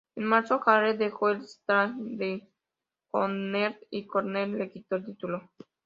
En marzo, Jarrett dejó el stable de Cornette y Cornette le quitó el título.